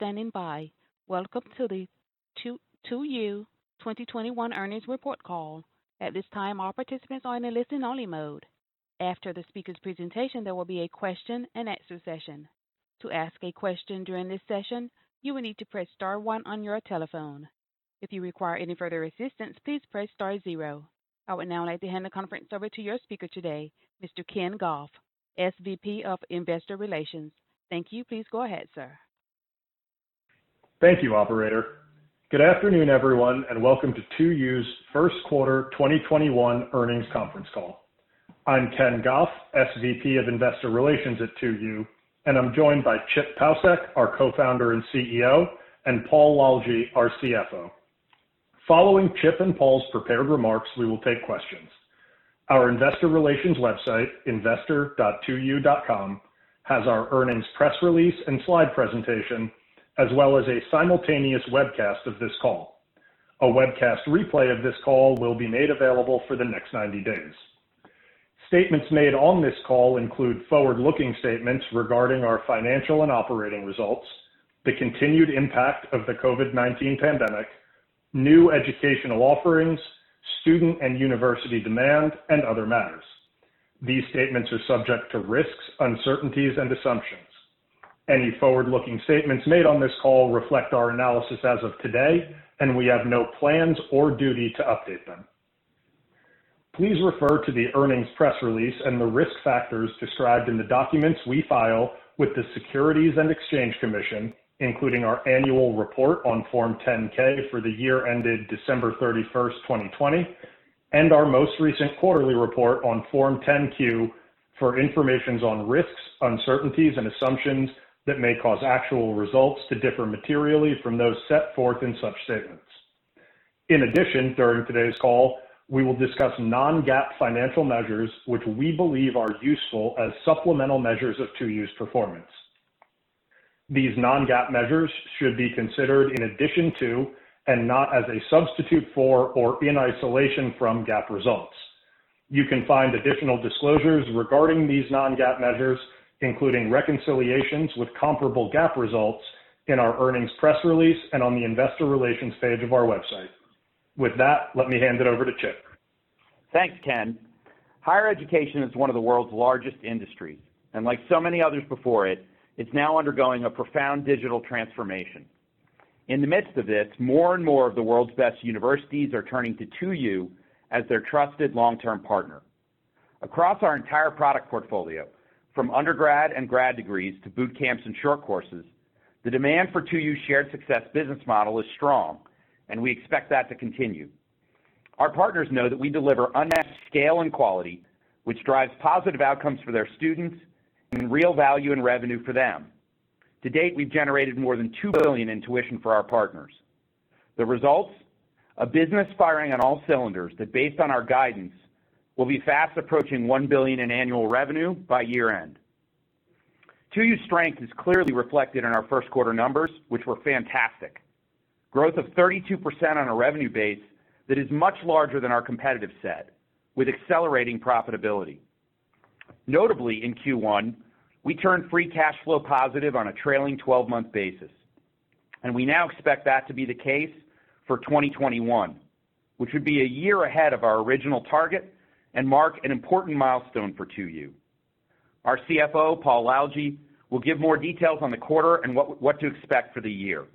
Welcome to the 2U 2021 earnings report call. I would now like to hand the conference over to your speaker today, Mr. Ken Goff, SVP of Investor Relations. Thank you. Please go ahead, sir. Thank you, operator. Good afternoon, everyone, and welcome to 2U's Q1 2021 earnings conference call. I'm Ken Goff, SVP of Investor Relations at 2U, and I'm joined by Chip Paucek, our Co-Founder and CEO, and Paul Lalljie, our CFO. Following Chip and Paul's prepared remarks, we will take questions. Our investor relations website, investor.2u.com, has our earnings press release in slide presentation, as well as a simultaneous webcast of this call. A webcast replay of this call will be made available for the next 90 days. Statements made on this call include forward-looking statements regarding our financial and operating results, the continued impact of the COVID-19 pandemic, new educational offerings, student and university demand, and other matters. These statements are subject to risks, uncertainties and assumptions. Any forward-looking statements made on this call reflect our analysis as of today, and we have no plans or duty to update them. Please refer to the earnings press release and the risk factors described in the documents we file with the Securities and Exchange Commission, including our annual report on Form 10-K for the year ended December 31st, 2020, and our most recent quarterly report on Form 10-Q for information on risks, uncertainties and assumptions that may cause actual results to differ materially from those set forth in such statements. In addition, during today's call, we will discuss non-GAAP financial measures, which we believe are useful as supplemental measures of 2U's performance. These non-GAAP measures should be considered in addition to, and not as a substitute for or in isolation from GAAP results. You can find additional disclosures regarding these non-GAAP measures, including reconciliations with comparable GAAP results in our earnings press release and on the investor relations page of our website. With that, let me hand it over to Chip. Thanks, Ken. Higher education is one of the world's largest industries. Like so many others before it's now undergoing a profound digital transformation. In the midst of this, more and more of the world's best universities are turning to 2U as their trusted long-term partner. Across our entire product portfolio, from undergrad and grad degrees to boot camps and short courses, the demand for 2U's shared success business model is strong. We expect that to continue. Our partners know that we deliver unmatched scale and quality, which drives positive outcomes for their students and real value and revenue for them. To date, we've generated more than $2 billion in tuition for our partners. The results? A business firing on all cylinders that based on our guidance, will be fast approaching $1 billion in annual revenue by year-end. 2U's strength is clearly reflected in our Q1 numbers, which were fantastic. Growth of 32% on a revenue base that is much larger than our competitive set with accelerating profitability. Notably in Q1, we turned free cash flow positive on a trailing 12-month basis, and we now expect that to be the case for 2021, which would be a year ahead of our original target and mark an important milestone for 2U. Our CFO, Paul Lalljie, will give more details on the quarter and what to expect for the year.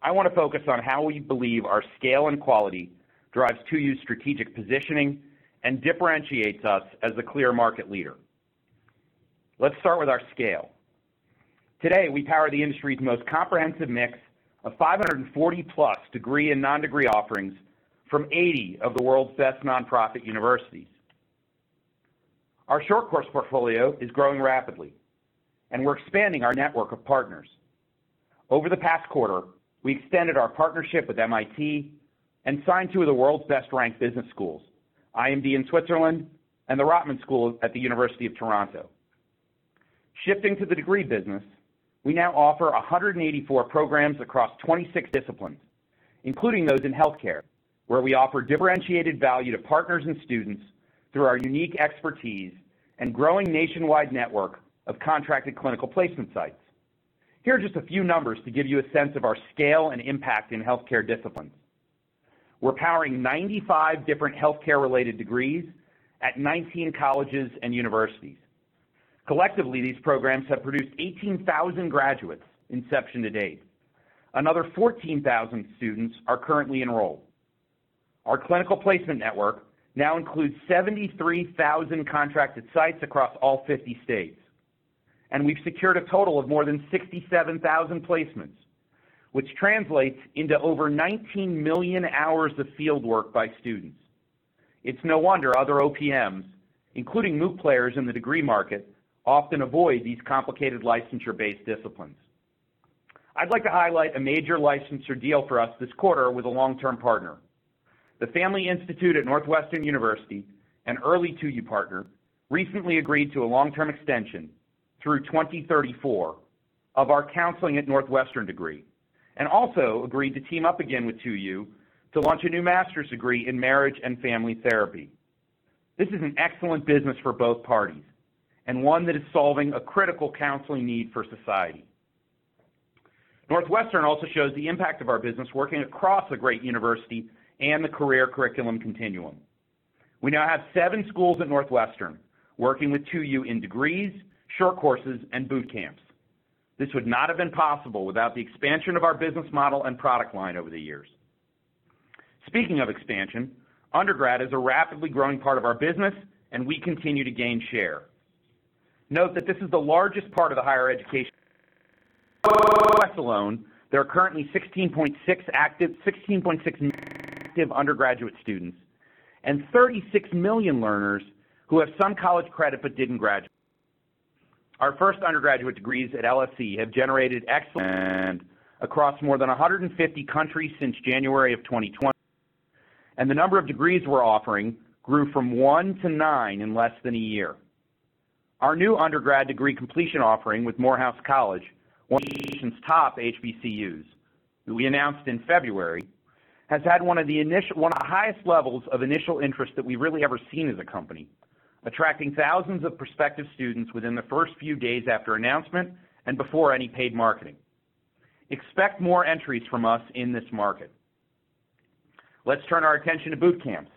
I want to focus on how we believe our scale and quality drives 2U's strategic positioning and differentiates us as the clear market leader. Let's start with our scale. Today, we power the industry's most comprehensive mix of 540-plus degree and non-degree offerings from 80 of the world's best nonprofit universities. Our short course portfolio is growing rapidly; we're expanding our network of partners. Over the past quarter, we extended our partnership with MIT and signed two of the world's best-ranked business schools, IMD in Switzerland and the Rotman School at the University of Toronto. Shifting to the degree business, we now offer 184 programs across 26 disciplines, including those in healthcare, where we offer differentiated value to partners and students through our unique expertise and growing nationwide network of contracted clinical placement sites. Here are just a few numbers to give you a sense of our scale and impact in healthcare disciplines. We're powering 95 different healthcare-related degrees at 19 colleges and universities. Collectively, these programs have produced 18,000 graduate's inception to date. Another 14,000 students are currently enrolled. Our clinical placement network now includes 73,000 contracted sites across all 50 states, and we've secured a total of more than 67,000 placements, which translates into over 19 million hours of field work by students. It's no wonder other OPMs, including MOOC players in the degree market, often avoid these complicated licensure-based disciplines. I'd like to highlight a major licensure deal for us this quarter with a long-term partner. The Family Institute at Northwestern University, an early 2U partner, recently agreed to a long-term extension through 2034 of our Counseling@Northwestern degree, and also agreed to team up again with 2U to launch a new master's degree in marriage and family therapy. This is an excellent business for both parties, and one that is solving a critical counseling need for society. Northwestern also shows the impact of our business working across a great university and the career curriculum continuum. We now have seven schools at Northwestern working with 2U in degrees, short courses, and boot camps. This would not have been possible without the expansion of our business model and product line over the years. Speaking of expansion, undergrad is a rapidly growing part of our business, and we continue to gain share. Note that this is the largest part of the higher education alone, there are currently 16.6 million active undergraduate students, and 36 million learners who have some college credit but didn't graduate. Our first undergraduate degrees at LSE have generated excellent across more than 150 countries since January of 2020. The number of degrees we're offering grew from one to nine in less than a year. Our new undergrad degree completion offering with Morehouse College, one of the nation's top HBCUs, who we announced in February, has had one of the highest levels of initial interest that we've really ever seen as a company, attracting thousands of prospective students within the first few days after announcement and before any paid marketing. Expect more entries from us in this market. Let's turn our attention to boot camps,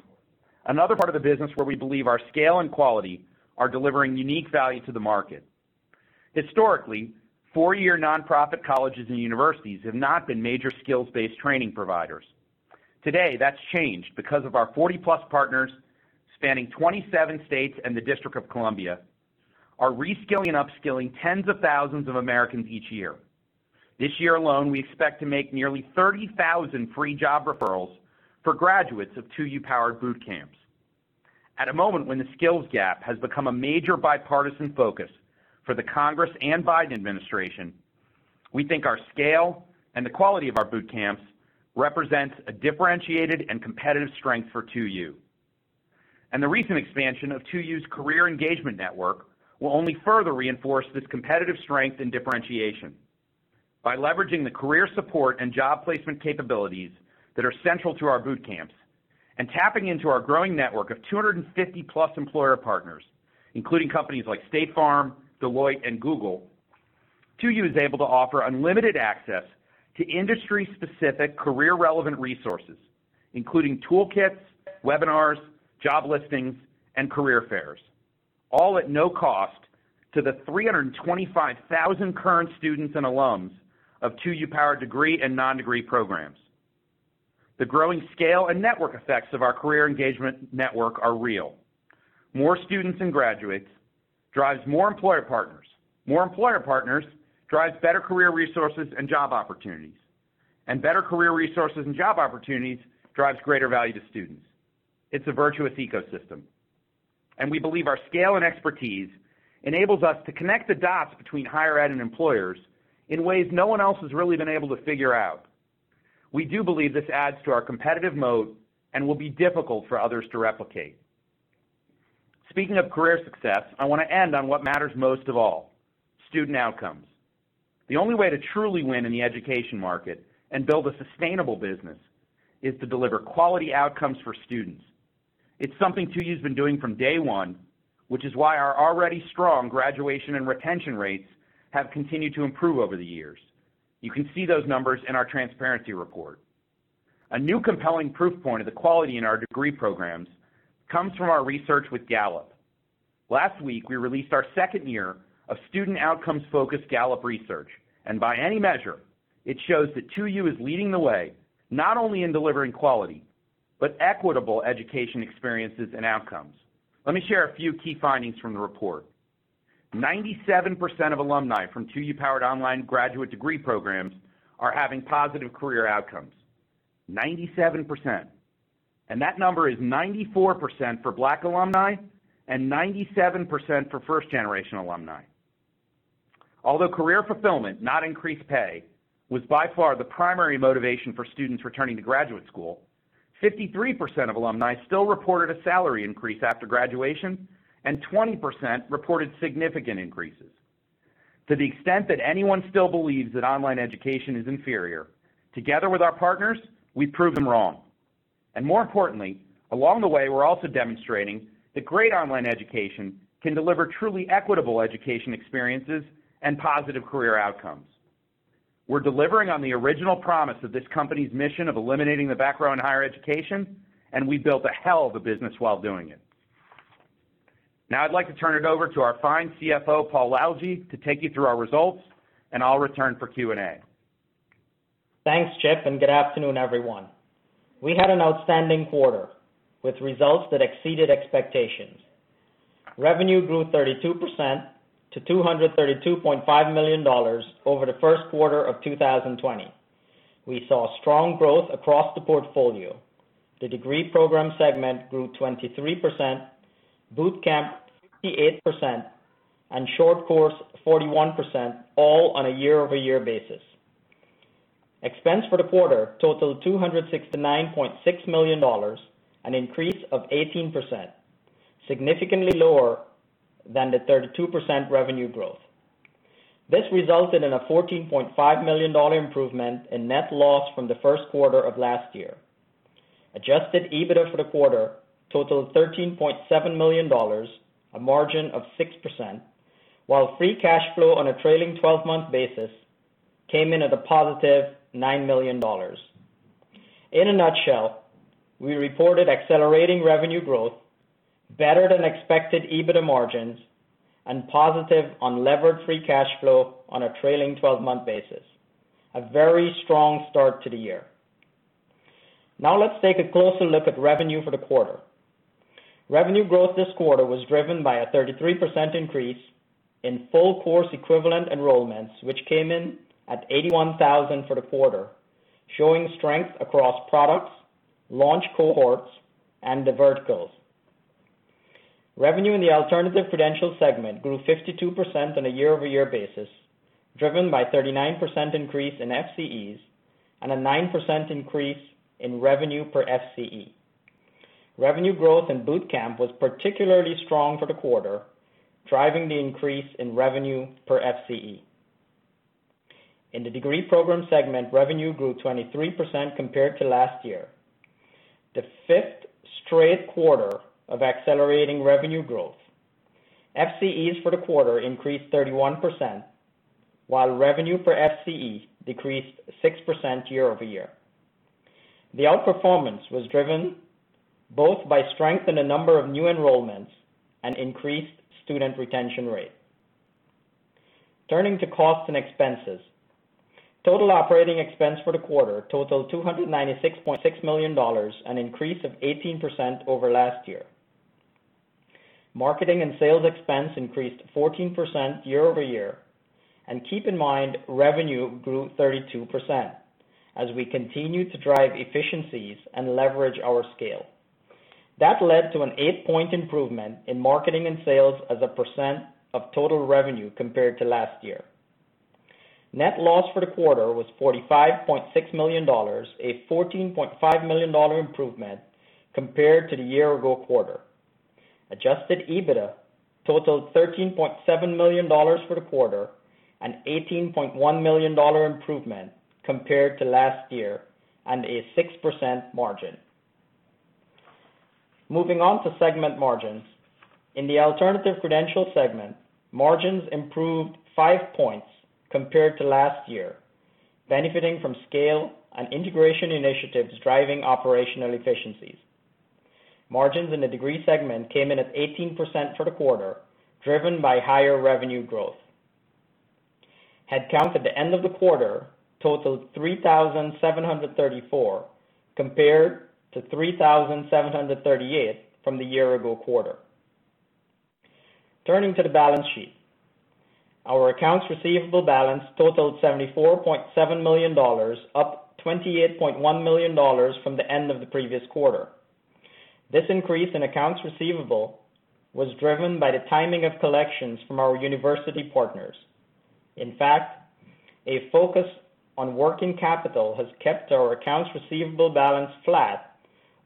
another part of the business where we believe our scale and quality are delivering unique value to the market. Historically, four-year nonprofit colleges and universities have not been major skills-based training providers. Today, that's changed because of our 40-plus partners spanning 27 states and the District of Columbia, are reskilling and upskilling tens of thousands of Americans each year. This year alone, we expect to make nearly 30,000 free job referrals for graduates of 2U-powered boot camps. At a moment when the skills gap has become a major bipartisan focus for the Congress and Biden administration, we think our scale and the quality of our boot camps represents a differentiated and competitive strength for 2U. The recent expansion of 2U's Career Engagement Network will only further reinforce this competitive strength and differentiation. By leveraging the career support and job placement capabilities that are central to our boot camps, and tapping into our growing network of 250-plus employer partners, including companies like State Farm, Deloitte, and Google, 2U is able to offer unlimited access to industry-specific, career-relevant resources, including toolkits, webinars, job listings, and career fairs, all at no cost to the 325,000 current students and alums of 2U-powered degree and non-degree programs. The growing scale and network effects of our Career Engagement Network are real. More students and graduates drive more employer partners. More employer partners drive better career resources and job opportunities. Better career resources and job opportunities drive greater value to students. It's a virtuous ecosystem, and we believe our scale and expertise enables us to connect the dots between higher ed and employers in ways no one else has really been able to figure out. We do believe this adds to our competitive moat and will be difficult for others to replicate. Speaking of career success, I want to end on what matters most of all, student outcomes. The only way to truly win in the education market and build a sustainable business is to deliver quality outcomes for students. It's something 2U's been doing from day one, which is why our already strong graduation and retention rates have continued to improve over the years. You can see those numbers in our transparency report. A new compelling proof point of the quality in our degree programs comes from our research with Gallup. Last week, we released our second year of student outcomes focused Gallup research. By any measure, it shows that 2U is leading the way not only in delivering quality, but equitable education experiences and outcomes. Let me share a few key findings from the report. 97% of alumni from 2U-Powered online graduate degree programs are having positive career outcomes. 97%. That number is 94% for Black alumni and 97% for first-generation alumni. Although career fulfillment, not increased pay, was by far the primary motivation for students returning to graduate school, 53% of alumni still reported a salary increase after graduation, and 20% reported significant increases. To the extent that anyone still believes that online education is inferior, together with our partners, we've proved them wrong. More importantly, along the way, we're also demonstrating that great online education can deliver truly equitable education experiences and positive career outcomes. We're delivering on the original promise of this company's mission of eliminating the background in higher education, and we built a hell of a business while doing it. Now I'd like to turn it over to our fine CFO, Paul Lalljie, to take you through our results, and I'll return for Q&A. Thanks, Chip. Good afternoon, everyone. We had an outstanding quarter with results that exceeded expectations. Revenue grew 32% to $232.5 million over the Q1 of 2020. We saw strong growth across the portfolio. The Degree Program Segment grew 23%, boot camp 58%, and short course 41%, all on a year-over-year basis. Expense for the quarter totaled $269.6 million, an increase of 18%, significantly lower than the 32% revenue growth. This resulted in a $14.5 million improvement in net loss from the Q1 of last year. Adjusted EBITDA for the quarter totaled $13.7 million, a margin of 6%, while free cash flow on a trailing 12-month basis came in at a positive $9 million. In a nutshell, we reported accelerating revenue growth better than expected EBITDA margins and positive unlevered free cash flow on a trailing 12-month basis. A very strong start to the year. Now let's take a closer look at revenue for the quarter. Revenue growth this quarter was driven by a 33% increase in full course equivalent enrollments, which came in at 81,000 for the quarter, showing strength across products, launch cohorts, and the verticals. Revenue in the Alternative Credential Segment grew 52% on a year-over-year basis, driven by 39% increase in FCEs and a 9% increase in revenue per FCE. Revenue growth in Boot Camp was particularly strong for the quarter, driving the increase in revenue per FCE. In the Degree Program Segment, revenue grew 23% compared to last year, the fifth straight quarter of accelerating revenue growth. FCEs for the quarter increased 31%, while revenue per FCE decreased 6% year-over-year. The outperformance was driven both by strength in the number of new enrollments and increased student retention rate. Turning to costs and expenses. Total operating expense for the quarter totaled $296.6 million, an increase of 18% over last year. Marketing and sales expense increased 14% year-over-year. Keep in mind, revenue grew 32% as we continue to drive efficiencies and leverage our scale. That led to an eight-point improvement in marketing and sales as a percent of total revenue compared to last year. Net loss for the quarter was $45.6 million, a $14.5 million improvement compared to the year ago quarter. Adjusted EBITDA totaled $13.7 million for the quarter, an $18.1 million improvement compared to last year and a 6% margin. Moving on to segment margins. In the Alternative Credential Segment, margins improved five points compared to last year, benefiting from scale and integration initiatives driving operational efficiencies. Margins in the Degree segment came in at 18% for the quarter, driven by higher revenue growth. Headcount at the end of the quarter totaled 3,734, compared to 3,738 from the year ago quarter. Turning to the balance sheet. Our accounts receivable balance totaled $74.7 million, up $28.1 million from the end of the previous quarter. This increase in accounts receivable was driven by the timing of collections from our university partners. In fact, a focus on working capital has kept our accounts receivable balance flat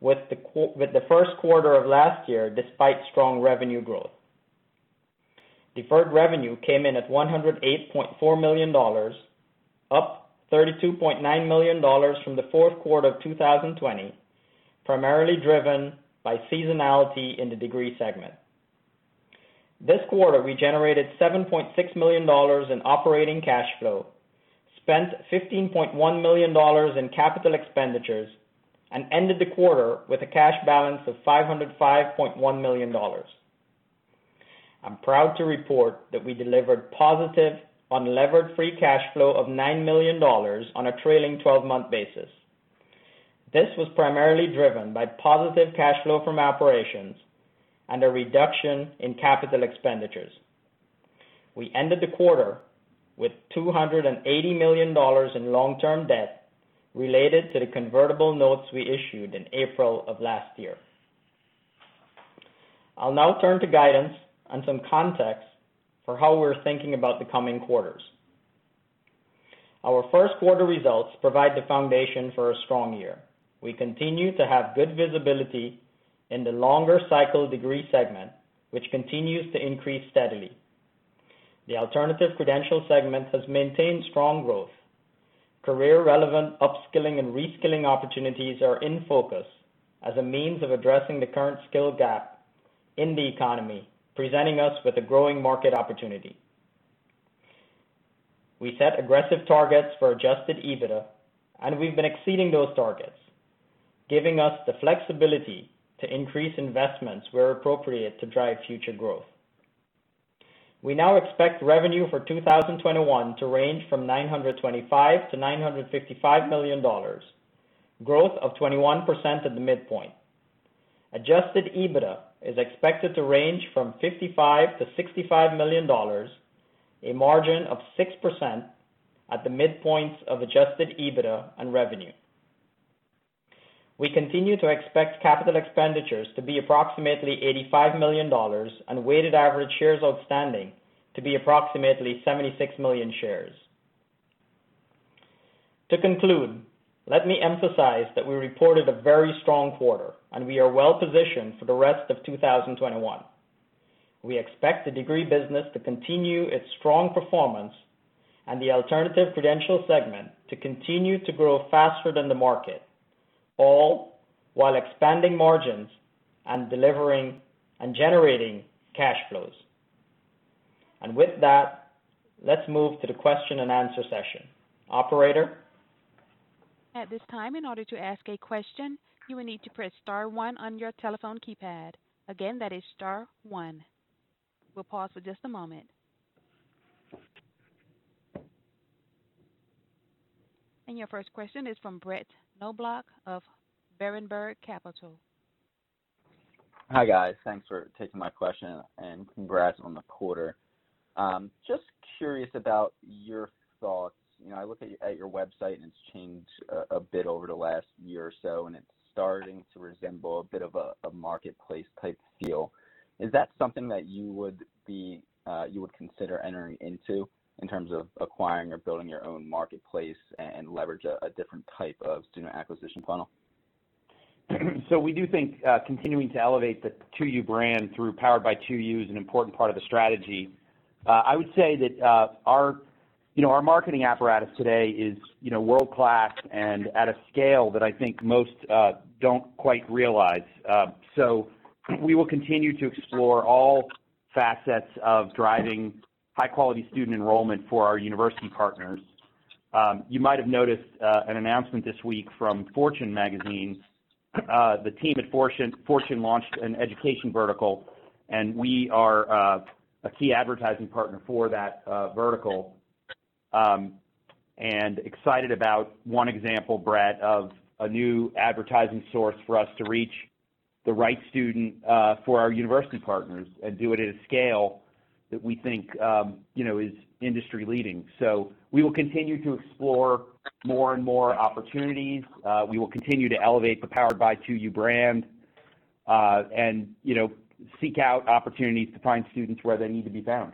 with the Q1 of last year, despite strong revenue growth. Deferred revenue came in at $108.4 million, up $32.9 million from the Q4 of 2020, primarily driven by seasonality in the Degree Segment. This quarter, we generated $7.6 million in operating cash flow, spent $15.1 million in capital expenditures, and ended the quarter with a cash balance of $505.1 million. I'm proud to report that we delivered positive unlevered free cash flow of $9 million on a trailing 12-month basis. This was primarily driven by positive cash flow from operations and a reduction in capital expenditures. We ended the quarter with $280 million in long-term debt related to the convertible notes we issued in April of last year. I'll now turn to guidance and some context for how we're thinking about the coming quarters. Our Q1 results provide the foundation for a strong year. We continue to have good visibility in the longer cycle Degree Program Segment, which continues to increase steadily. The Alternative Credential Segment has maintained strong growth. Career-relevant upskilling and reskilling opportunities are in focus as a means of addressing the current skill gap in the economy, presenting us with a growing market opportunity. We set aggressive targets for Adjusted EBITDA, and we've been exceeding those targets, giving us the flexibility to increase investments where appropriate to drive future growth. We now expect revenue for 2021 to range from $925-$955 million, growth of 21% at the midpoint. Adjusted EBITDA is expected to range from $55-$65 million, a margin of 6% at the midpoints of Adjusted EBITDA and revenue. We continue to expect capital expenditures to be approximately $85 million and weighted average shares outstanding to be approximately 76 million shares. To conclude, let me emphasize that we reported a very strong quarter, and we are well positioned for the rest of 2021. We expect the degree business to continue its strong performance and the Alternative Credential Segment to continue to grow faster than the market, all while expanding margins and generating cash flows. With that, let's move to the question-and-answer session. Operator? At this time if you would like to ask a question, you will need to press one on your telephone keypad. Again, star one. We'll pause for just a moment. Your first question is from Brett Knoblauch of Berenberg Capital Markets. Hi, guys. Thanks for taking my question and congrats on the quarter. Just curious about your thoughts. I look at your website, and it's changed a bit over the last year or so, and it's starting to resemble a bit of a marketplace type feel. Is that something that you would consider entering into in terms of acquiring or building your own marketplace and leverage a different type of student acquisition funnel? We do think continuing to elevate the 2U brand through Powered by 2U is an important part of the strategy. I would say that our marketing apparatus today is world-class and at a scale that I think most don't quite realize. We will continue to explore all facets of driving high-quality student enrollment for our university partners. You might have noticed an announcement this week from Fortune magazine. The team at Fortune launched an education vertical, and we are a key advertising partner for that vertical. Excited about one example, Brett, of a new advertising source for us to reach the right student for our university partners and do it at a scale that we think is industry leading. We will continue to explore more and more opportunities. We will continue to elevate the Powered by 2U brand and seek out opportunities to find students where they need to be found.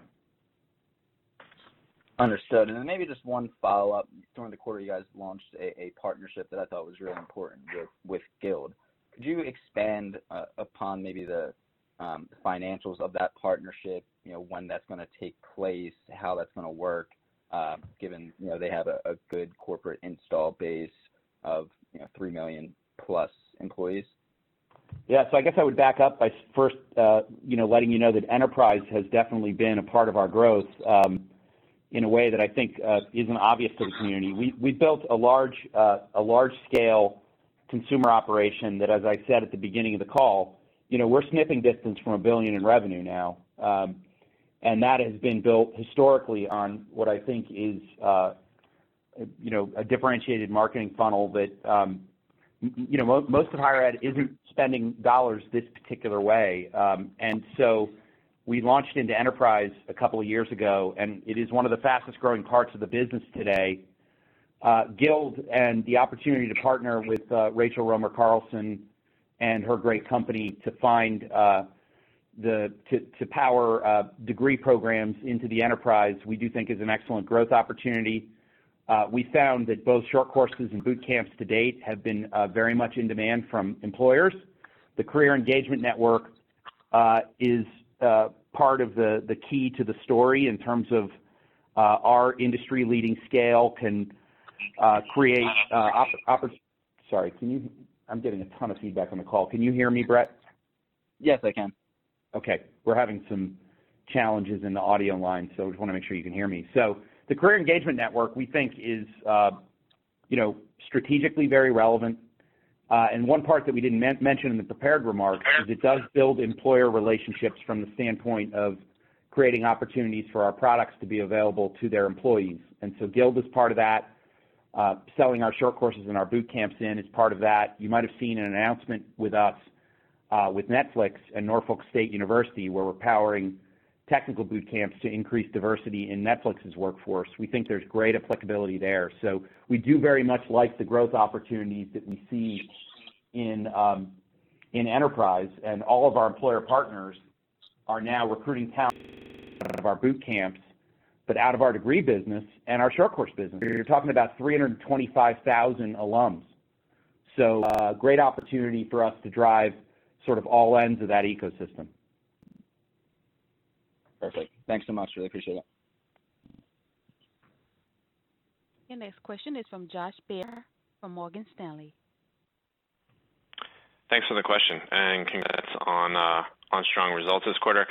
Understood. Maybe just one follow-up. During the quarter, you guys launched a partnership that I thought was really important with Guild. Could you expand upon maybe the financials of that partnership? When that's going to take place, how that's going to work, given they have a good corporate install base of three million-plus employees? I guess I would back up by first letting you know that enterprise has definitely been a part of our growth in a way that I think isn't obvious to the community. We built a large-scale consumer operation that, as I said at the beginning of the call, we're sniffing distance from $1 billion in revenue now. That has been built historically on what I think is a differentiated marketing funnel that most of higher ed isn't spending dollars this particular way. We launched into enterprise a couple of years ago, and it is one of the fastest-growing parts of the business today. Guild and the opportunity to partner with Rachel Romer Carlson and her great company to power degree programs into the enterprise, we do think is an excellent growth opportunity. We found that both short courses and boot camps to date have been very much in demand from employers. The Career Engagement Network is part of the key to the story in terms of our industry leading scale can create. Sorry, I'm getting a ton of feedback on the call. Can you hear me, Brett? Yes, I can. Okay. We're having some challenges in the audio line, so I just want to make sure you can hear me. The Career Engagement Network, we think, is strategically very relevant. One part that we didn't mention in the prepared remarks is it does build employer relationships from the standpoint of creating opportunities for our products to be available to their employees. Guild is part of that. Selling our short courses and our boot camps in is part of that. You might have seen an announcement with us with Netflix and Norfolk State University, where we're powering technical boot camps to increase diversity in Netflix's workforce. We think there's great applicability there. We do very much like the growth opportunities that we see in enterprise, and all of our employer partners are now recruiting talent out of our boot camps, but out of our degree business and our short course business. You're talking about 325,000 alums. A great opportunity for us to drive sort of all ends of that ecosystem. Perfect. Thanks so much. Really appreciate it. Your next question is from Josh Baer from Morgan Stanley. Thanks for the question, and congrats on strong results this quarter.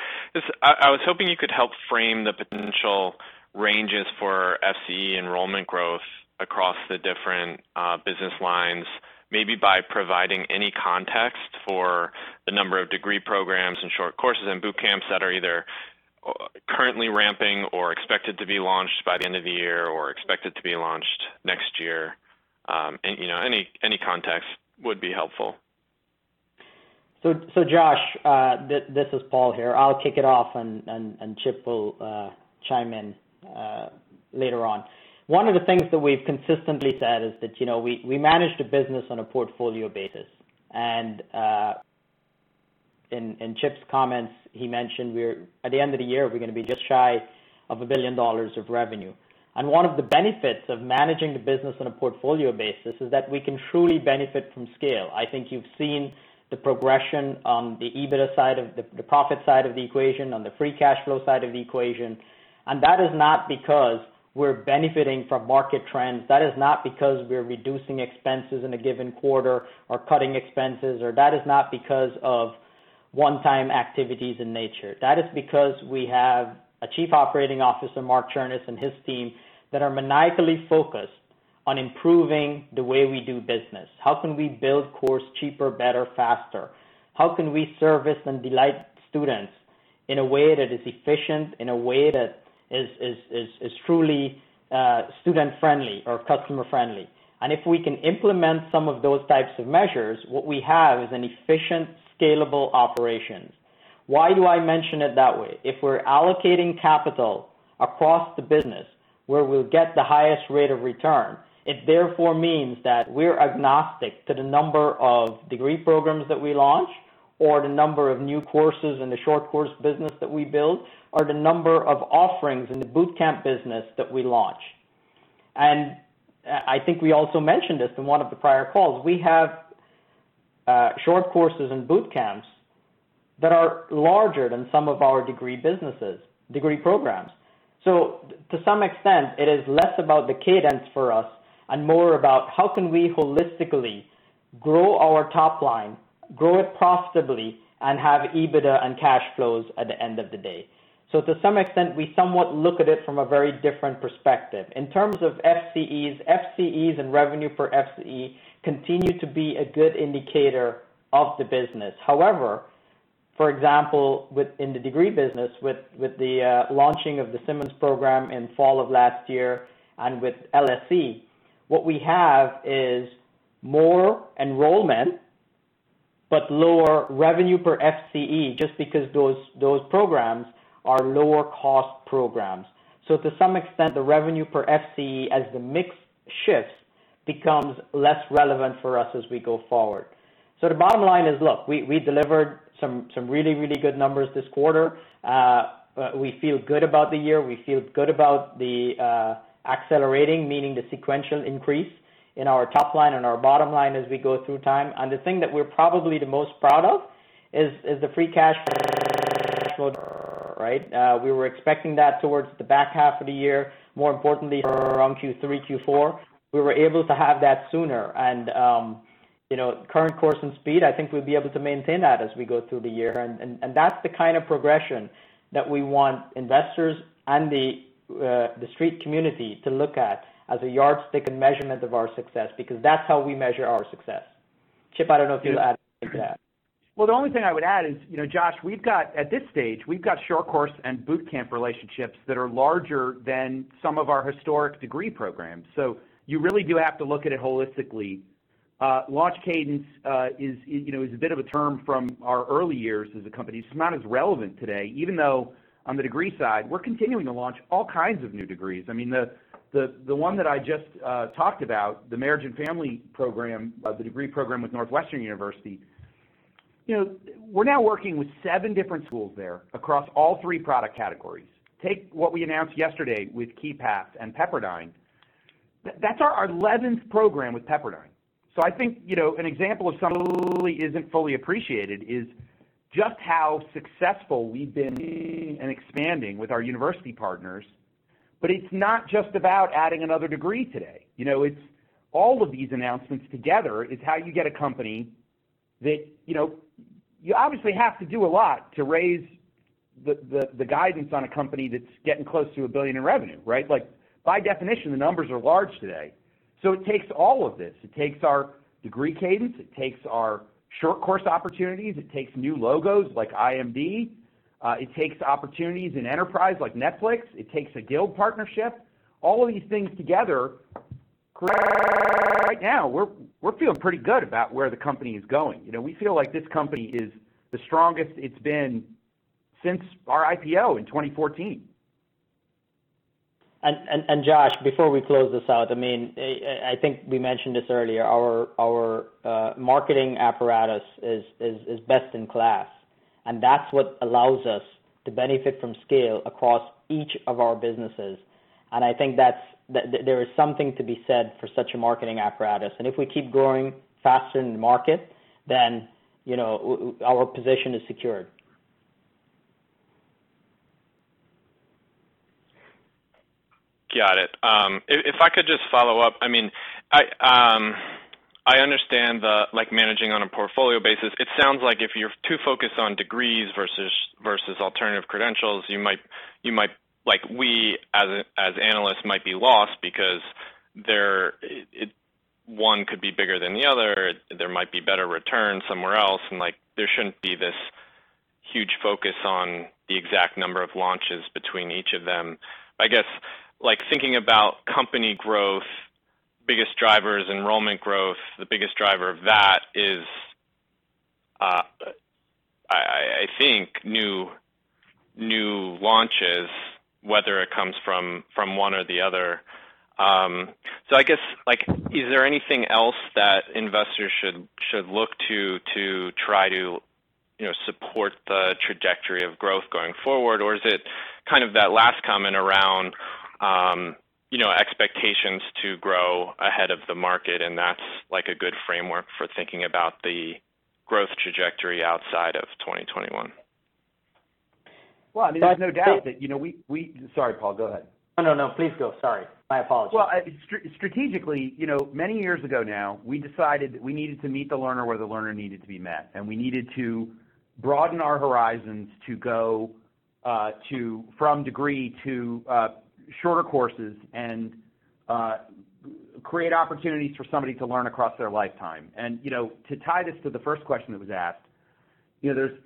I was hoping you could help frame the potential ranges for FCE enrollment growth across the different business lines, maybe by providing any context for the number of degree programs and short courses and boot camps that are either currently ramping or expected to be launched by the end of the year or expected to be launched next year. Any context would be helpful. Josh, this is Paul here. I'll kick it off, and Chip will chime in later on. One of the things that we've consistently said is that we manage the business on a portfolio basis. In Chip's comments, he mentioned at the end of the year, we're going to be just shy of $1 billion of revenue. One of the benefits of managing the business on a portfolio basis is that we can truly benefit from scale. I think you've seen the progression on the EBITDA side, the profit side of the equation, on the free cash flow side of the equation. That is not because we're benefiting from market trends. That is not because we're reducing expenses in a given quarter or cutting expenses, or that is not because of one-time activities in nature. That is because we have a Chief Operating Officer, Mark Chernis, and his team that are maniacally focused on improving the way we do business. How can we build course cheaper, better, faster? How can we service and delight students in a way that is efficient, in a way that is truly student friendly or customer friendly? If we can implement some of those types of measures, what we have is an efficient, scalable operation. Why do I mention it that way? If we're allocating capital across the business where we'll get the highest rate of return, it therefore means that we're agnostic to the number of degree programs that we launch or the number of new courses in the short course business that we build, or the number of offerings in the bootcamp business that we launch. I think we also mentioned this in one of the prior calls. We have short courses and bootcamps that are larger than some of our degree programs. To some extent, it is less about the cadence for us and more about how we can holistically grow our top line, grow it profitably, and have EBITDA and cash flows at the end of the day. To some extent, we somewhat look at it from a very different perspective. In terms of FCEs and revenue per FCE continue to be a good indicator of the business. However, for example, in the degree business, with the launching of the Simmons program in fall of last year and with LSE, what we have is more enrollment but lower revenue per FCE, just because those programs are lower cost programs. To some extent, the revenue per FCE as the mix shifts becomes less relevant for us as we go forward. The bottom line is, look, we delivered some really good numbers this quarter. We feel good about the year. We feel good about the accelerating, meaning the sequential increase in our top line and our bottom line as we go through time. The thing that we're probably the proudest of is the free cash flow, right? We were expecting that towards the back half of the year. More importantly, around Q3, Q4. We were able to have that sooner. Current course and speed, I think we'll be able to maintain that as we go through the year. That's the kind of progression that we want investors and the street community to look at as a yardstick and measurement of our success, because that's how we measure our success. Chip, I don't know if you'll add to that. The only thing I would add is, Josh, at this stage, we've got short course and bootcamp relationships that are larger than some of our historic degree programs. You really do have to look at it holistically. Launch cadence is a bit of a term from our early years as a company. It's not as relevant today, even though on the degree side, we're continuing to launch all kinds of new degrees. The one that I just talked about, the marriage and family program, the degree program with Northwestern University. We're now working with seven different schools there across all three product categories. Take what we announced yesterday with Keypath and Pepperdine. That's our 11th program with Pepperdine. I think that an example of something that really isn't fully appreciated is just how successful we've been in expanding with our university partners. It's not just about adding another degree today. It's all of these announcements together is how you get a company that you obviously have to do a lot to raise the guidance on a company that's getting close to $1 billion in revenue, right? By definition, the numbers are large today. It takes all of this. It takes our degree cadence. It takes our short course opportunities. It takes new logos like IMD. It takes opportunities in enterprise like Netflix. It takes a Guild partnership. All of these things together create. Right now, we're feeling pretty good about where the company is going. We feel like this company is the strongest it's been since our IPO in 2014. Josh, before we close this out, I think we mentioned this earlier, our marketing apparatus is best in class, and that's what allows us to benefit from scale across each of our businesses. I think there is something to be said for such a marketing apparatus. If we keep growing faster in the market, then our position is secured. Got it. If I could just follow up. I understand the managing on a portfolio basis. It sounds like if you're too focused on degrees versus alternative credentials, we as analysts might be lost because one could be bigger than the other. There might be better return somewhere else, and there shouldn't be this huge focus on the exact number of launches between each of them. I guess, thinking about company growth, biggest drivers, enrollment growth, the biggest driver of that is, I think new launches, whether it comes from one or the other. I guess, is there anything else that investors should look to try to support the trajectory of growth going forward? Or is it that last comment around expectations to grow ahead of the market, and that's a good framework for thinking about the growth trajectory outside of 2021? Well, there's no doubt that we. Sorry, Paul, go ahead. No, please go. Sorry. My apologies. Well, strategically, many years ago now, we decided we needed to meet the learner where the learner needed to be met, and we needed to broaden our horizons to go from degree to shorter courses and create opportunities for somebody to learn across their lifetime. To tie this to the first question that was asked, there is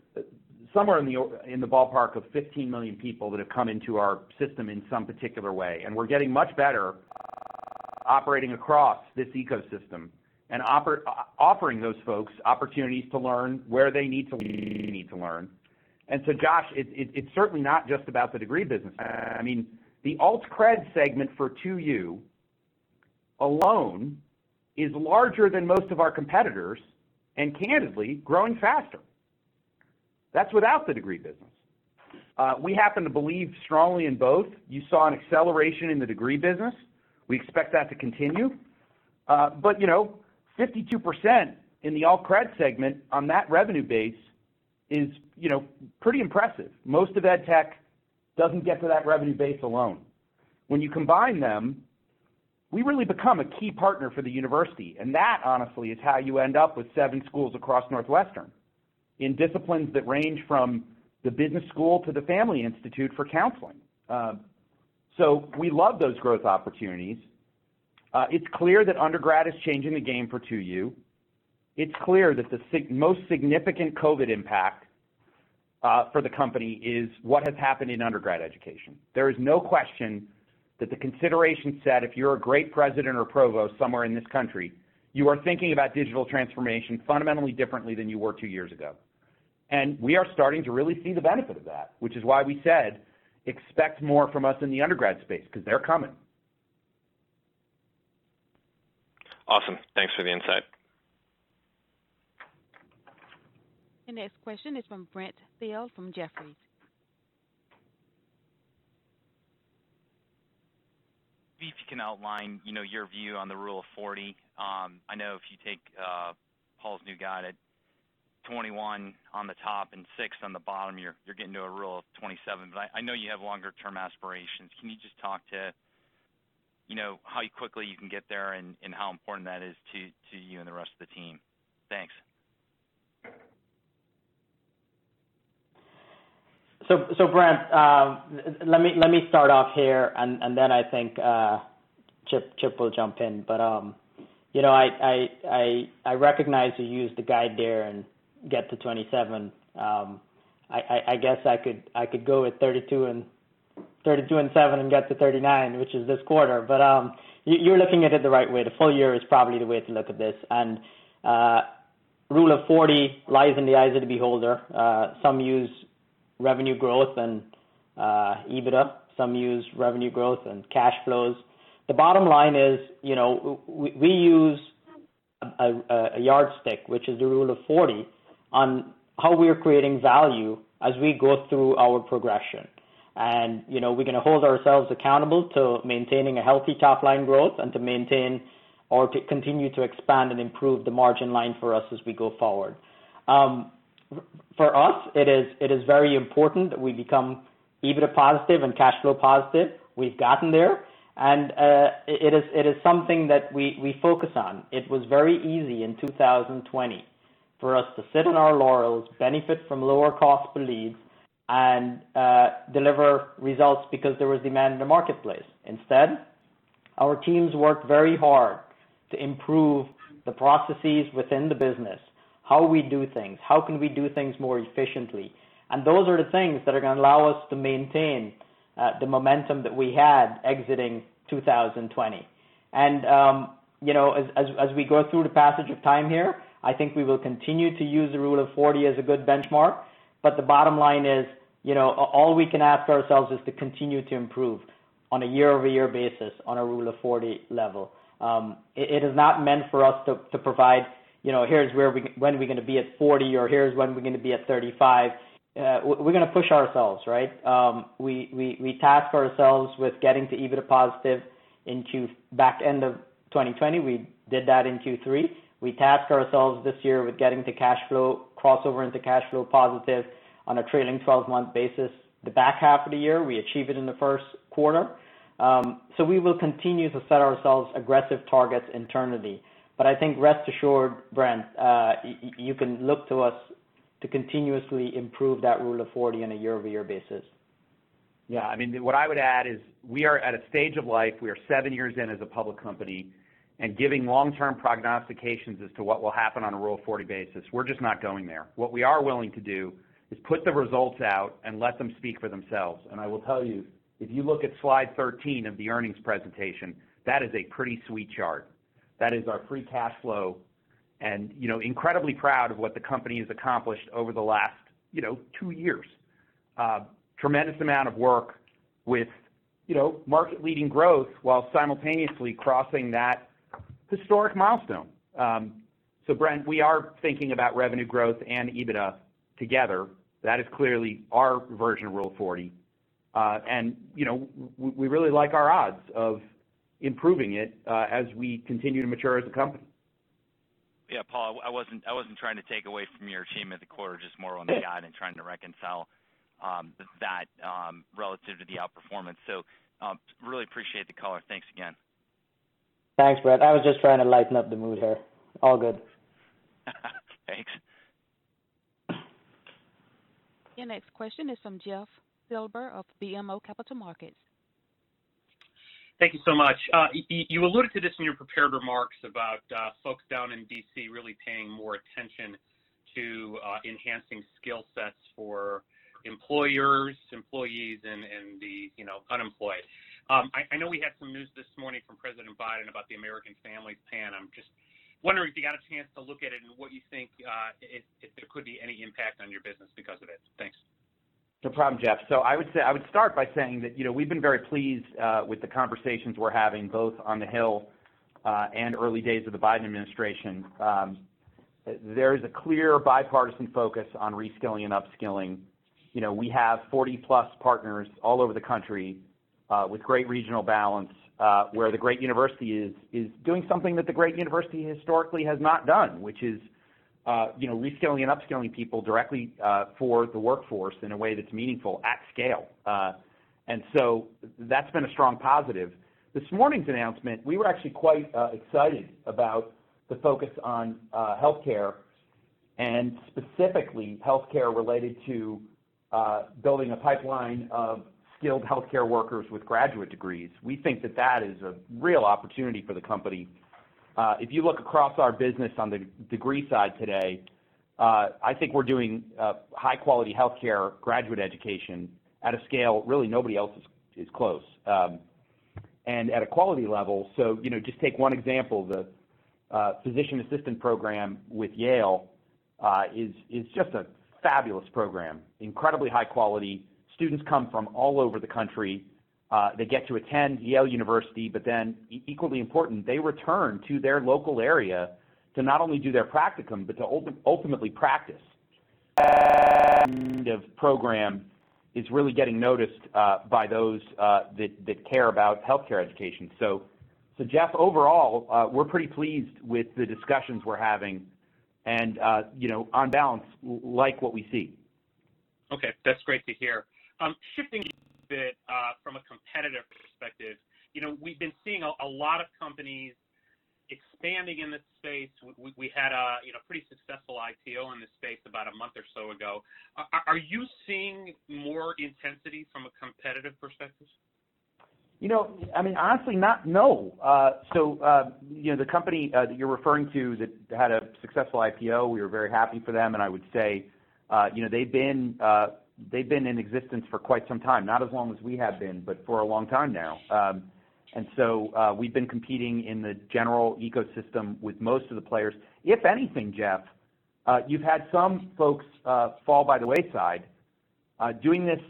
somewhere in the ballpark of 15 million people that have come into our system in some particular way, and we are getting much better operating across this ecosystem and offering those folks opportunities to learn where they need to learn. So, Josh, it is certainly not just about the degree business. The Alt Cred segment for 2U alone is larger than most of our competitors, and candidly, growing faster. That is without the degree business. We happen to believe strongly in both. You saw an acceleration in the degree business. We expect that to continue. 52% in the Alt Cred segment on that revenue base is pretty impressive. Most of edtech doesn't get to that revenue base alone. When you combine them, we really become a key partner for the university. That, honestly, is how you end up with seven schools across Northwestern in disciplines that range from the business school to The Family Institute at Northwestern University. We love those growth opportunities. It's clear that undergrad is changing the game for 2U. It's clear that the most significant COVID-19 impact for the company is what has happened in undergrad education. There is no question that the consideration set, if you're a great president or provost somewhere in this country, you are thinking about digital transformation fundamentally differently than you were two years ago. We are starting to really see the benefit of that, which is why we said, "Expect more from us in the undergrad space," because they're coming. Awesome. Thanks for the insight. The next question is from Brent Thill from Jefferies. If you can outline your view on the Rule of 40. I know if you take Paul Lalljie's new guide at 21 on the top and six on the bottom, you're getting to a Rule of 27. I know you have longer-term aspirations. Can you just talk to how quickly you can get there and how important that is to you and the rest of the team? Thanks. Brent, let me start off here, then I think Chip will jump in. I recognize you used the guide there and get to 27. I guess I could go with 32 and seven and get to 39, which is this quarter. You're looking at it the right way. The full year is probably the way to look at this. Rule of 40 lies in the eyes of the beholder. Some use revenue growth and EBITDA. Some use revenue growth and cash flows. The bottom line is we use a yardstick, which is the Rule of 40, on how we are creating value as we go through our progression. We're going to hold ourselves accountable to maintaining a healthy top-line growth and to maintain or to continue to expand and improve the margin line for us as we go forward. For us, it is very important that we become EBITDA positive and cash flow positive. We've gotten there. It is something that we focus on. It was very easy in 2020 for us to sit on our laurels, benefit from lower cost per leads, and deliver results because there was demand in the marketplace. Instead, our teams worked very hard to improve the processes within the business, how we do things, how can we do things more efficiently. Those are the things that are going to allow us to maintain the momentum that we had exiting 2020. As we go through the passage of time here, I think we will continue to use the Rule of 40 as a good benchmark. The bottom line is all we can ask ourselves is to continue to improve on a year-over-year basis on a Rule of 40 level. It is not meant for us to provide, here's when we're going to be at 40, or here's when we're going to be at 35. We're going to push ourselves, right? We tasked ourselves with getting to EBITDA positive back end of 2020. We did that in Q3. We tasked ourselves this year with getting to cash flow, crossover into cash flow positive on a trailing 12-month basis the back half of the year. We achieved it in the Q1. We will continue to set ourselves aggressive targets internally. I think rest assured, Brent, you can look to us to continuously improve that Rule of 40 on a year-over-year basis. Yeah. What I would add is we are at a stage of life, we are seven years in as a public company, giving long-term prognostications as to what will happen on a Rule of 40-basis, we're just not going there. What we are willing to do is put the results out and let them speak for themselves. I will tell you, if you look at slide 13 of the earnings presentation, that is a pretty sweet chart. That is our free cash flow. Incredibly proud of what the company has accomplished over the last two years. A tremendous amount of work with market-leading growth while simultaneously crossing that historic milestone. Brent, we are thinking about revenue growth and EBITDA together. That is clearly our version of Rule of 40. We really like our odds of improving it as we continue to mature as a company. Yeah, Paul, I wasn't trying to take away from your achievement of the quarter, just more on the guide and trying to reconcile that relative to the outperformance. Really appreciate the color. Thanks again. Thanks, Brent. I was just trying to lighten up the mood here. All good. Thanks. Your next question is from Jeff Silber of BMO Capital Markets. Thank you so much. You alluded to this in your prepared remarks about folks down in D.C. really paying more attention to enhancing skill sets for employers, employees, and the unemployed. I know we had some news this morning from President Biden about the American Families Plan. I'm just wondering if you got a chance to look at it and what you think, if there could be any impact on your business because of it. Thanks. No problem, Jeff. I would start by saying that we've been very pleased with the conversations we're having, both on the Hill and early days of the Biden administration. There is a clear bipartisan focus on reskilling and upskilling. We have 40-plus partners all over the country with great regional balance, where the great university is doing something that the great university historically has not done, which is reskilling and upskilling people directly for the workforce in a way that's meaningful at scale. That's been a strong positive. This morning's announcement, we were actually quite excited about the focus on healthcare, and specifically healthcare related to building a pipeline of skilled healthcare workers with graduate degrees. We think that that is a real opportunity for the company. If you look across our business on the degree side today, I think we're doing high-quality healthcare graduate education at a scale really nobody else is close. At a quality level, just take one example, the physician assistant program with Yale University is just a fabulous program, incredibly high quality. Students come from all over the country. They get to attend Yale University, equally important, they return to their local area to not only do their practicum, but to ultimately practice. That kind of program is really getting noticed by those that care about healthcare education. Jeff Silber, overall, we're pretty pleased with the discussions we're having, and on balance, like what we see. Okay. That's great to hear. Shifting a bit from a competitive perspective, we've been seeing a lot of companies expanding in this space. We had a pretty successful IPO in this space about a month or so ago. Are you seeing more intensity from a competitive perspective? Honestly, no. The company that you're referring to that had a successful IPO, we are very happy for them, and I would say they've been in existence for quite some time, not as long as we have been, but for a long time now. We've been competing in the general ecosystem with most of the players. If anything, Jeff, you've had some folks fall by the wayside. Doing this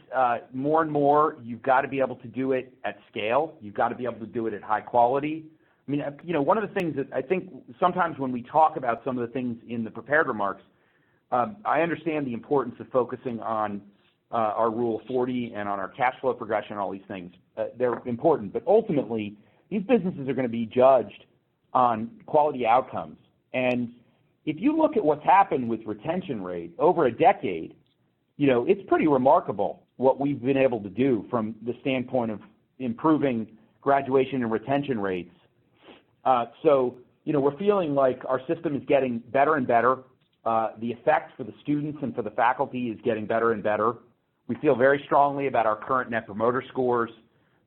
more and more, you've got to be able to do it at scale. You've got to be able to do it at high quality. One of the things that I think sometimes when we talk about some of the things in the prepared remarks, I understand the importance of focusing on our Rule of 40 and on our cash flow progression, all these things. They're important, but ultimately, these businesses are going to be judged on quality outcomes. If you look at what's happened with retention rate over a decade, it's pretty remarkable what we've been able to do from the standpoint of improving graduation and retention rates. We're feeling like our system is getting better and better. The effect for the students and for the faculty is getting better and better. We feel very strongly about our current Net Promoter Scores.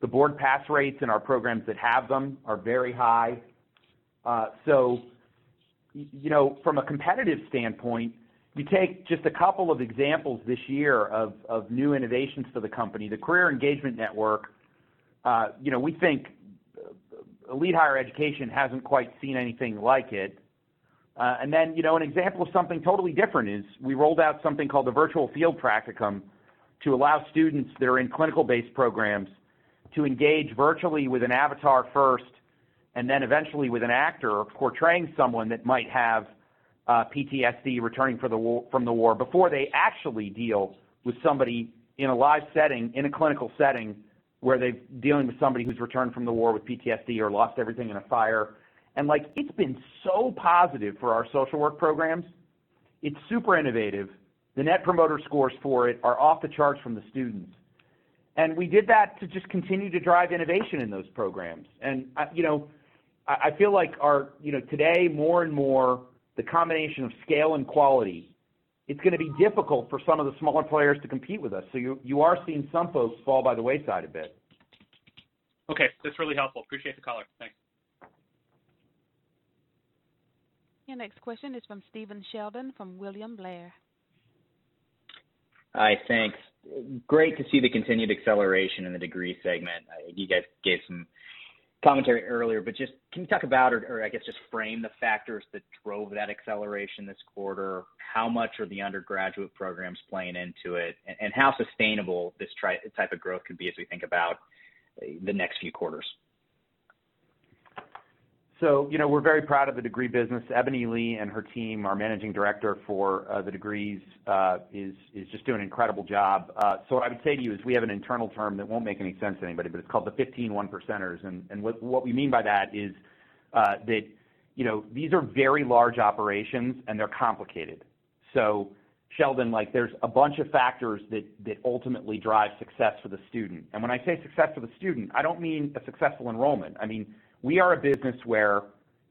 The board pass rates in our programs that have them are very high. From a competitive standpoint, you take just a couple of examples this year of new innovations for the company, the Career Engagement Network, we think elite higher education hasn't quite seen anything like it. An example of something totally different is we rolled out something called the Virtual Field Practicum to allow students that are in clinical-based programs to engage virtually with an avatar first, and then eventually with an actor portraying someone that might have PTSD returning from the war, before they actually deal with somebody in a live setting, in a clinical setting, where they're dealing with somebody who's returned from the war with PTSD or lost everything in a fire. It's been so positive for our social work programs. It's super innovative. The Net Promoter Scores for it are off the charts from the students. We did that to just continue to drive innovation in those programs. I feel like today, more and more, the combination of scale and quality, it's going to be difficult for some of the smaller players to compete with us. You are seeing some folks fall by the wayside a bit. Okay. That's really helpful. Appreciate the color. Thanks. Your next question is from Stephen Sheldon from William Blair. Hi, thanks. Great to see the continued acceleration in the Degree Segment. You guys gave some commentary earlier, but just can you talk about or, I guess, just frame the factors that drove that acceleration this quarter, how much are the undergraduate programs playing into it, and how sustainable this type of growth could be as we think about the next few quarters? We're very proud of the degree business. Ebony Lee and her team, our Managing Director for the degrees, is just doing an incredible job. What I would say to you is we have an internal term that won't make any sense to anybody, but it's called the 15 one percenters. What we mean by that is that these are very large operations and they're complicated. Sheldon, there's a bunch of factors that ultimately drive success for the student. When I say success for the student, I don't mean a successful enrollment. I mean, we are a business where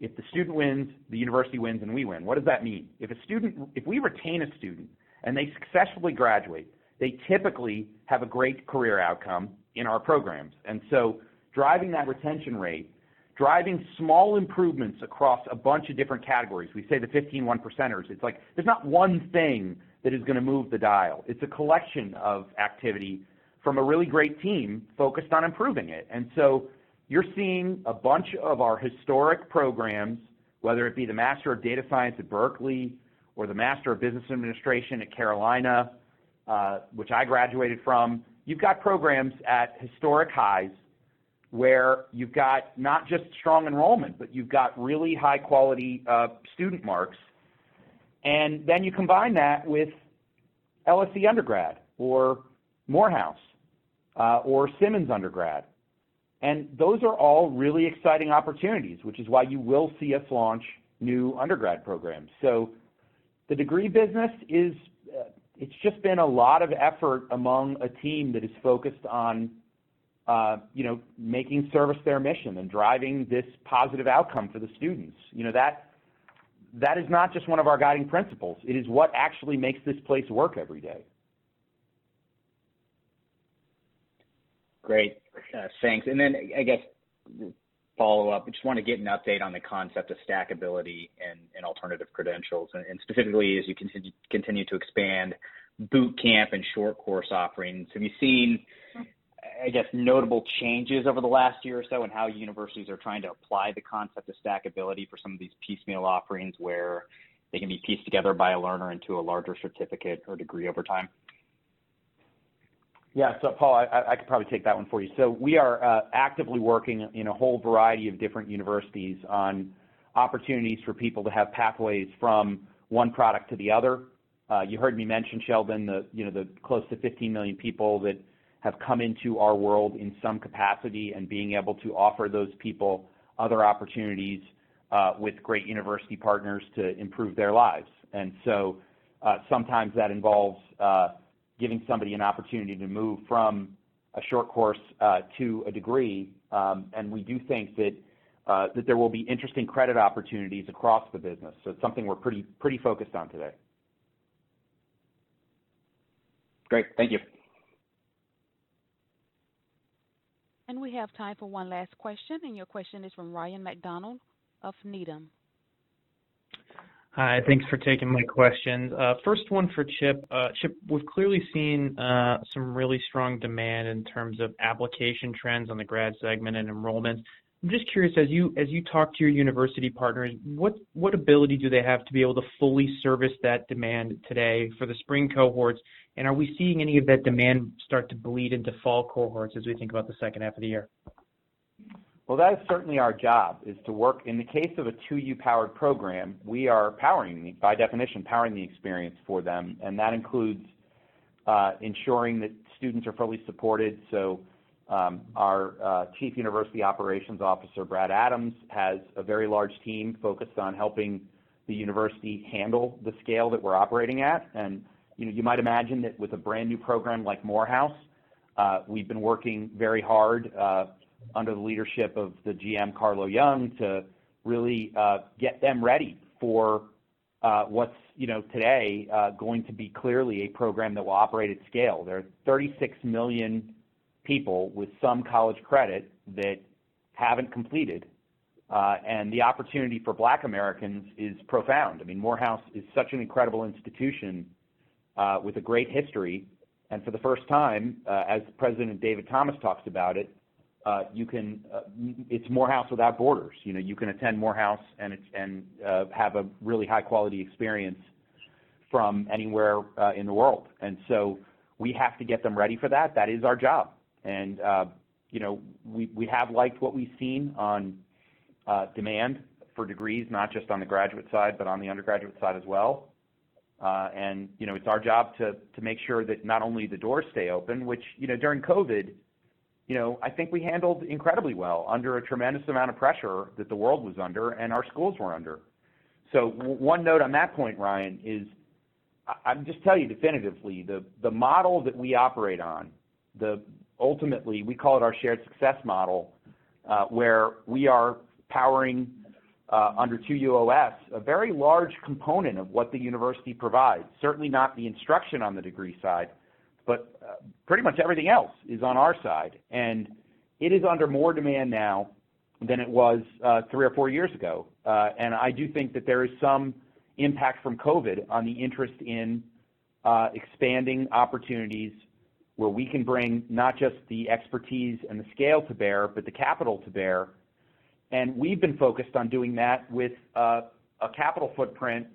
if the student wins, the university wins, and we win. What does that mean? If we retain a student and they successfully graduate, they typically have a great career outcome in our programs. Driving that retention rate, driving small improvements across a bunch of different categories, we say the 15 one percenters. It's like there's not one thing that is going to move the dial. It's a collection of activity from a really great team focused on improving it. You're seeing a bunch of our historic programs, whether it be the Master of Data Science at Berkeley or the Master of Business Administration at Carolina, which I graduated from. You've got programs at historic highs where you've got not just strong enrollment, but you've got really high-quality student marks. You combine that with LSE undergrad or Morehouse, or Simmons undergrad, and those are all really exciting opportunities, which is why you will see us launch new undergrad programs. The degree business, it's just been a lot of effort among a team that is focused on making service their mission and driving this positive outcome for the students. That is not just one of our guiding principles. It is what actually makes this place work every day. Great. Thanks. I guess follow up, I just want to get an update on the concept of stackability and alternative credentials, and specifically as you continue to expand boot camp and short course offerings. Have you seen, I guess, notable changes over the last year or so in how universities are trying to apply the concept of stackability for some of these piecemeal offerings where they can be pieced together by a learner into a larger certificate or degree over time? Yeah. Paul, I could probably take that one for you. We are actively working in a whole variety of different universities on opportunities for people to have pathways from one product to the other. You heard me mention, Sheldon, the close to 15 million people that have come into our world in some capacity and being able to offer those people other opportunities, with great university partners to improve their lives. Sometimes that involves giving somebody an opportunity to move from a short course to a degree. We do think that there will be interesting credit opportunities across the business. It's something we're pretty focused on today. Great. Thank you. We have time for one last question, and your question is from Ryan MacDonald of Needham. Hi. Thanks for taking my questions. First one for Chip. Chip, we've clearly seen some really strong demand in terms of application trends on the grad segment and enrollments. I'm just curious, as you talk to your university partners, what ability do they have to be able to fully service that demand today for the spring cohorts? Are we seeing any of that demand start to bleed into fall cohorts as we think about the H2 of the year? That is certainly our job is to work. In the case of a 2U-powered program, we are, by definition, powering the experience for them, and that includes ensuring that students are fully supported. Our Chief University Operations Officer, Brad Adams, has a very large team focused on helping the university handle the scale that we're operating at. You might imagine that with a brand-new program like Morehouse, we've been working very hard under the leadership of the GM, Karlo Young, to really get them ready for what's today going to be clearly a program that will operate at scale. There are 36 million people with some college credit that haven't completed, and the opportunity for Black Americans is profound. Morehouse is such an incredible institution, with a great history. For the first time, as President David Thomas talks about its Morehouse without borders. You can attend Morehouse and have a really high-quality experience from anywhere in the world. We have to get them ready for that. That is our job. We have liked what we've seen on demand for degrees, not just on the graduate side, but on the undergraduate side as well. It's our job to make sure that not only the doors stay open, which during COVID, I think we handled incredibly well under a tremendous amount of pressure that the world was under, and our schools were under. One note on that point, Ryan, is I'll just tell you definitively, the model that we operate on, ultimately, we call it our shared success model, where we are powering, under 2UOS, a very large component of what the university provides. Certainly not the instruction on the degree side. Pretty much everything else is on our side, and it is under more demand now than it was three or four years ago. I do think that there is some impact from COVID on the interest in expanding opportunities where we can bring not just the expertise and the scale to bear, but the capital to bear. We've been focused on doing that with a capital footprint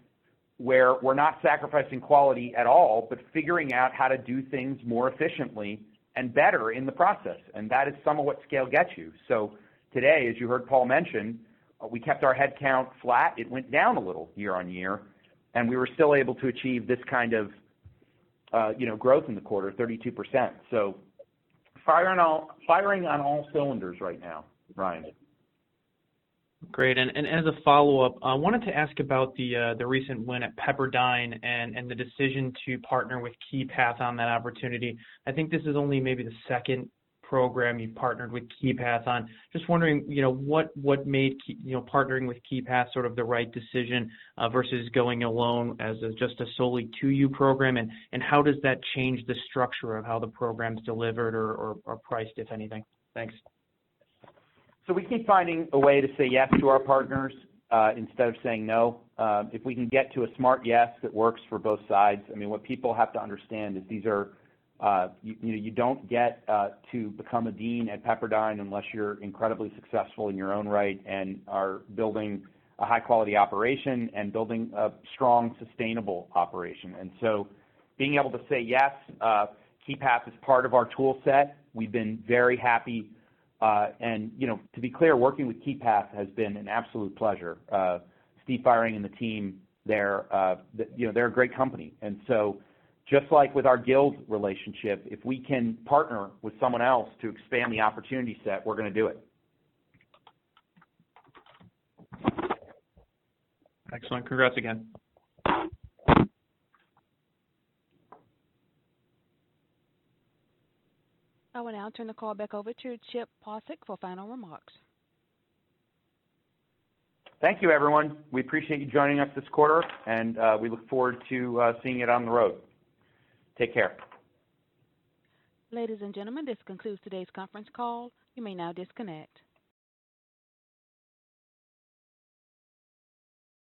where we're not sacrificing quality at all but figuring out how to do things more efficiently and better in the process. That is some of what scale gets you. Today, as you heard Paul mention, we kept our head count flat. It went down a little year-over-year, and we were still able to achieve this kind of growth in the quarter, 32%. Firing on all cylinders right now, Ryan. Great. As a follow-up, I wanted to ask about the recent win at Pepperdine and the decision to partner with Keypath on that opportunity. I think this is only maybe the second program you've partnered with Keypath on. Just wondering what made partnering with Keypath sort of the right decision versus going alone as just a solely 2U program, and how does that change the structure of how the program's delivered or priced, if anything? Thanks. We keep finding a way to say yes to our partners instead of saying no. If we can get to a smart yes that works for both sides, what people have to understand is you don't get to become a dean at Pepperdine unless you're incredibly successful in your own right and are building a high-quality operation and building a strong, sustainable operation. Being able to say yes, Keypath is part of our tool set. We've been very happy. To be clear, working with Keypath has been an absolute pleasure. Steve Fireng and the team there, they're a great company. Just like with our Guild, if we can partner with someone else to expand the opportunity set, we're going to do it. Excellent. Congrats again. I will now turn the call back over to Chip Paucek for final remarks. Thank you everyone. We appreciate you joining us this quarter, and we look forward to seeing you down the road. Take care. Ladies and gentlemen, this concludes today's conference call. You may now disconnect.